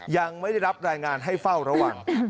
ยังไม่ได้รับรายงานให้เฝ้าระวัง